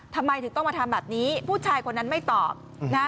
ทำไมถึงต้องมาทำแบบนี้ผู้ชายคนนั้นไม่ตอบนะ